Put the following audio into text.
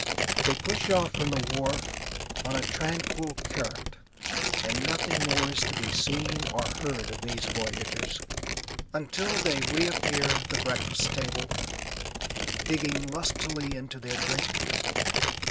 They push off from the wharf on a tranquil current and nothing more is to be seen or heard of these voyagers until they reappear at the breakfast table, digging lustily into their grapefruit.